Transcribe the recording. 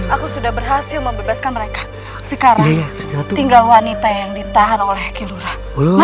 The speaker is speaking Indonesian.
aku sudah berhasil membebaskan mereka sekarang tinggal wanita yang ditahan oleh kidura